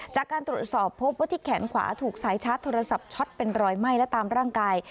จากการตรวจสอบพบว่าที่แขนขวาถูกสายชาร์จโทรศัพท์ช็อตเป็นรอยไหม้และตามร่างกาย